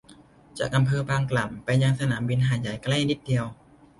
จากอำเภอบางกล่ำไปยังสนามบินหาดใหญ่ใกล้นิดเดียว